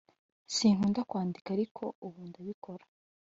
sinkunda kwandika ariko ubu ndabikora